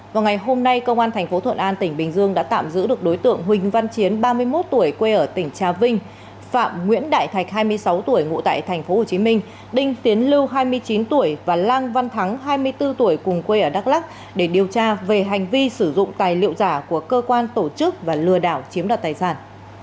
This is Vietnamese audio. vào ngày hôm nay công an tp thuận an tỉnh bình dương đã tạm giữ được đối tượng huỳnh văn chiến ba mươi một tuổi quê ở tỉnh trà vinh phạm nguyễn đại thạch hai mươi sáu tuổi ngụ tại tp hcm đinh tiến lưu hai mươi chín tuổi và lan văn thắng hai mươi bốn tuổi cùng quê ở đắk lắc để điều tra về hành vi sử dụng tài liệu giả của cơ quan tổ chức và lừa đảo chiếm đoạt tài sản